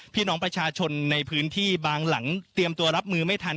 พี่น้องประชาชนในพื้นที่บางหลังเตรียมตัวรับมือไม่ทัน